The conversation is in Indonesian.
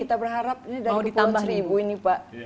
kita berharap ini dari tahun seribu ini pak